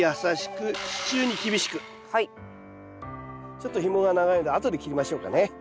ちょっとひもが長いのであとで切りましょうかね。